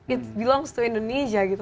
it belongs to indonesia gitu